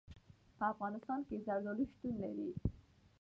په افغانستان کې زردالو شتون لري.